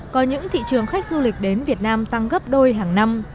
có những thị trường khách du lịch đến việt nam tăng gấp đôi hàng năm